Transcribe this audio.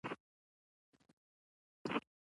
د انسان هڅې باید د هغه وي.